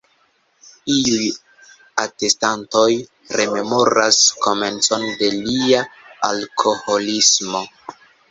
Iuj atestantoj rememoras komencon de lia alkoholismo.